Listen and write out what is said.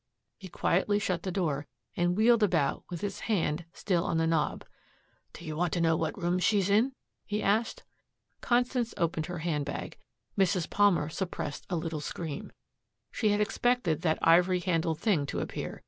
He quietly shut the door, and wheeled about with his hand still on the knob. "Do you want to know what room she's in?" he asked. Constance opened her handbag. Mrs. Palmer suppressed a little scream. She had expected that ivory handled thing to appear.